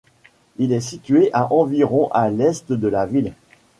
Il est situé à environ à l'est de la ville.